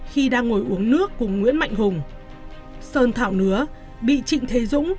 khi đang ngồi uống nước cùng nguyễn mạnh hùng sơn thảo nứa bị trịnh thế dũng